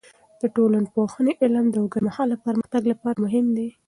د ټولنپوهنې علم د اوږدمهاله پرمختګ لپاره مهم دی.